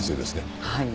はい。